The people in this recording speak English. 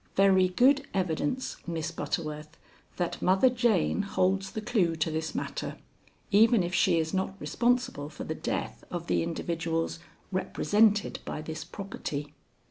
Very good evidence, Miss Butterworth, that Mother Jane holds the clue to this matter, even if she is not responsible for the death of the individuals represented by this property."